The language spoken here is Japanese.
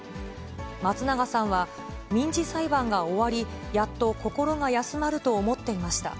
松永さんは、民事裁判が終わり、やっと心が休まると思っていました。